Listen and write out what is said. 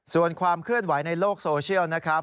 ส่วนความเคลื่อนไหวในโลกโซเชียลนะครับ